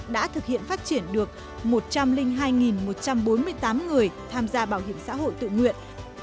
đã thực hiện phát triển được một trăm linh hai một trăm bốn mươi tám người tham gia bảo hiểm xã hội tự nguyện